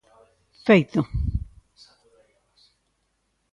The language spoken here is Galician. Feito.